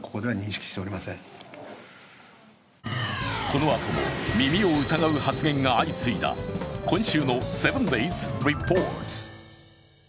このあとも、耳を疑う発言が相次いだ今週の「７ｄａｙｓリポート」。